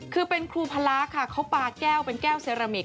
คือเป็นครูพละค่ะเขาปลาแก้วเป็นแก้วเซรามิก